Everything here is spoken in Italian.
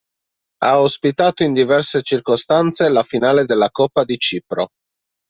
Ha ospitato in diverse circostanze la finale della Coppa di Cipro.